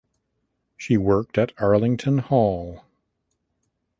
She worked at Arlington Hall.